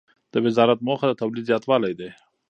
د وزارت موخه د تولید زیاتوالی دی.